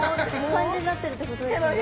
感じになってるってことですよね。